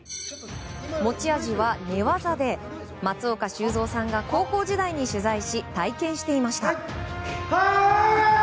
持ち味は寝技で松岡修造さんが高校時代に取材し体験していました。